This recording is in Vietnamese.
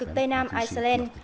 cực tây nam iceland